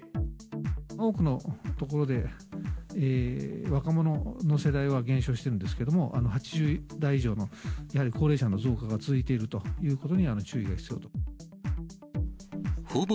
多くのところで若者の世代は減少してるんですけれども、８０代以上のやはり高齢者の増加が続いているということには注意が必要。